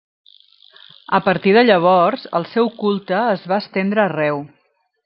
A partir de llavors, el seu culte es va estendre arreu.